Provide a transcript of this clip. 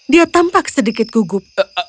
dia tampak sedikit gugup